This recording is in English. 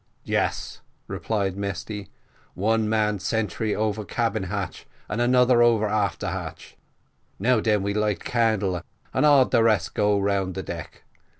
"Yes," replied Mesty, "one man sentry over cabin hatch, and another over after hatch. Now den we light candle, and all the rest go round the deck.